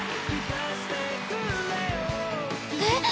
えっ！？